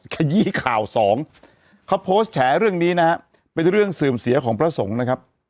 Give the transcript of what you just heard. ขยี้ข่าวสองเขาโพสต์แฉเรื่องนี้นะฮะเป็นเรื่องเสื่อมเสียของพระสงฆ์นะครับ